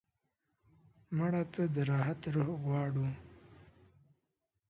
مړه ته د راحت روح غواړو